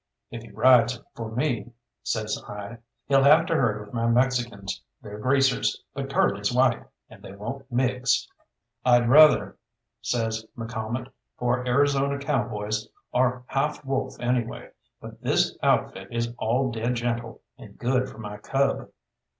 "If he rides for me," says I, "he'll have to herd with my Mexicans. They're greasers, but Curly's white, and they won't mix." "I'd rather," says McCalmont, "for Arizona cowboys are half wolf anyways, but this outfit is all dead gentle, and good for my cub."